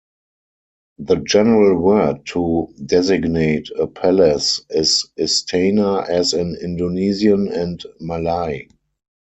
The general word to designate a palace is istana, as in Indonesian and Malay.